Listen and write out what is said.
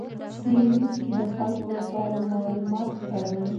څېړونکي د خلکو لپاره معلومات خپروي.